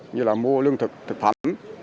như là mua lương thực thực phẩm